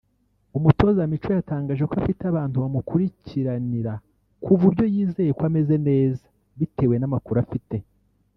umutoza Micho yatangaje ko afite abantu bamumukurikiranira ku buryo yizeye ko ameze neza bitewe n’amakuru afite